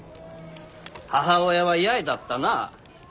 母親は八重だったな。